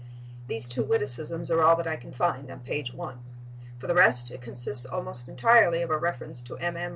These two witticisms are all that I can find on page 1. For the rest, it consists almost entirely of a reference to MM.